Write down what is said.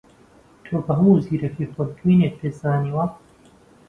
تۆ بە هەموو زیرەکیی خۆت دوێنێت پێ زانیوە